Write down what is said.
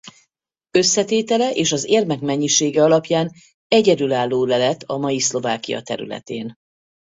Összetétele és az érmek mennyisége alapján egyedülálló lelet a mai Szlovákia területén.